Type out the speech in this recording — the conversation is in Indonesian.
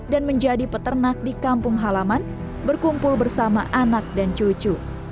menjadi peternak di kampung halaman berkumpul bersama anak dan cucu